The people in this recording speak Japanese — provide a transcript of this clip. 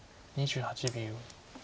２８秒。